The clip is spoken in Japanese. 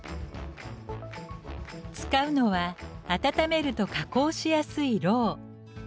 使うのは温めると加工しやすい蝋。